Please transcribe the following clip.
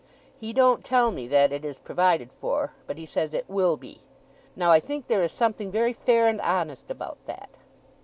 He don't tell me that it is provided for, but he says it WILL BE. Now, I think there is something very fair and honest about that!